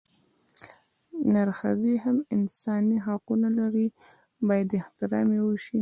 نرښځي هم انساني حقونه لري بايد احترام يې اوشي